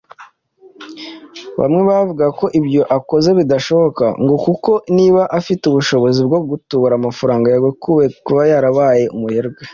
Bamwe bavugaga ko ibyo akoze bidashoboka ngo kuko ‘niba afite ubushobozi bwo gutubura amafaranga’ yagakwiye kuba yarabaye umuherwe